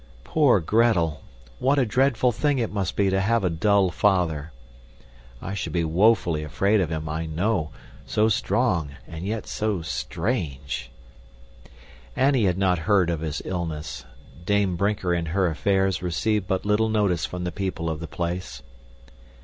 Poor Gretel! What a dreadful thing it must be to have a dull father! I should be woefully afraid of him, I know so strong, and yet so strange! Annie had not heard of his illness. Dame Brinker and her affairs received but little notice from the people of the place.